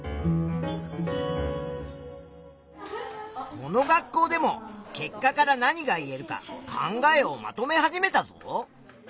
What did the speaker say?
この学校でも結果から何が言えるか考えをまとめ始めたぞ。